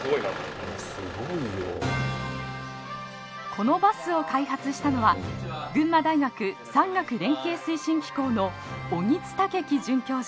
このバスを開発したのは群馬大学産学連携推進機構の小木津武樹准教授。